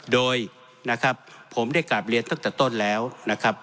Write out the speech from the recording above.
โดยนะครับผมได้กราบเรียนตั้งแต่ต้นแล้วนะครับ